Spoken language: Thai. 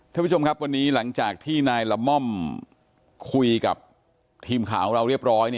ท่านผู้ชมครับวันนี้หลังจากที่นายละม่อมคุยกับทีมข่าวของเราเรียบร้อย